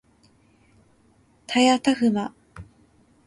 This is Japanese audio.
たやたふま